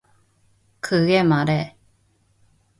크게 말해!